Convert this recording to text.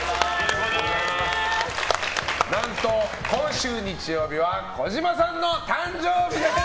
何と、今週日曜日は児嶋さんの誕生日です！